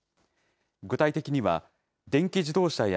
具体的には、電気自動車や、